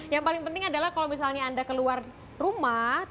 yang paling penting adalah kalau misalnya anda keluar rumah